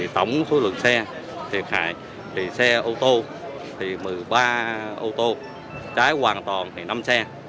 tổng số lượng xe thiệt hại về xe ô tô thì một mươi ba ô tô cháy hoàn toàn thì năm xe